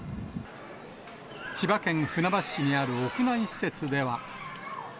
千葉県船橋市にある屋内施設では。